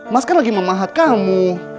mas kan lagi memahat kamu